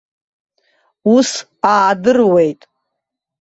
Ус аадыруеит.